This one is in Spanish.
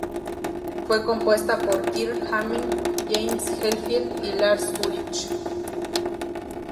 Fue compuesta por Kirk Hammett, James Hetfield y Lars Ulrich.